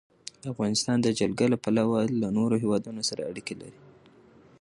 افغانستان د جلګه له پلوه له نورو هېوادونو سره اړیکې لري.